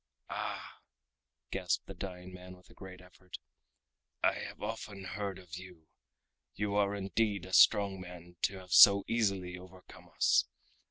"Ah," gasped the dying man with a great effort, "I have often heard of you. You are indeed a strong man to have so easily overcome us.